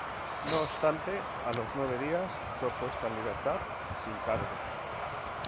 No obstante, a los nueve días fue puesta en libertad sin cargos.